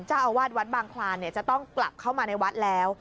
จะเอาวัดวัดบางคลานเนี่ยจะต้องกลับเข้ามาในวัดแล้ว